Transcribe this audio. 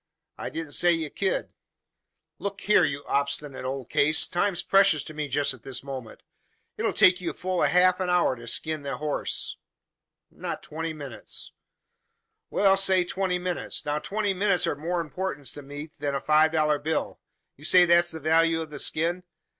I didn't say ye ked." "Look here, you obstinate old case! Time's precious to me just at this minute. It 'll take you a full half hour to skin the horse." "Not twenty minutes." "Well, say twenty minutes. Now, twenty minutes are of more importance to me than a five dollar bill. You say that's the value of the skin?